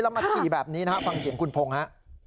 แล้วมาฉี่แบบนี้นะฮะฟังเสียงคุณพงศ์ฮะ